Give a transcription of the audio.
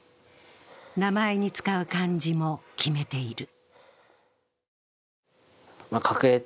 名前に使う漢字も決めている。